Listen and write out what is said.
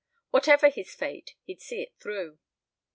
Whatever his fate, he'd see it through.